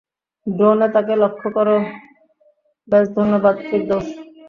ড্রোনে তাকে লক্ষ করো ব্যাস ধন্যবাদ, ফিরদৌস।